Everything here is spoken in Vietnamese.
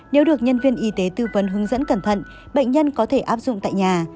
nếu được nhân viên y tế tư vấn hướng dẫn cẩn thận bệnh nhân có thể áp dụng tại nhà